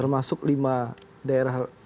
masuk lima daerah